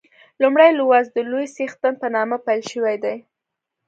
لومړی لوست د لوی څښتن په نامه پیل شوی دی.